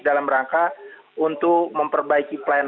dalam rangka untuk memperbaiki pelayanan